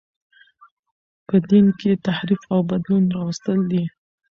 په دین کښي تحریف او بدلون راوستل دي.